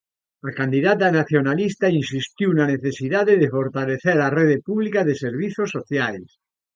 A candidata nacionalista insistiu na necesidade de fortalecer a rede pública de servizos sociais.